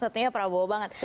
satunya prabowo banget